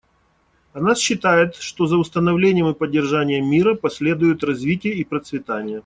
Она считает, что за установлением и поддержанием мира последуют развитие и процветание.